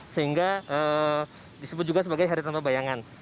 sehingga disebut juga sebagai hari tanpa bayangan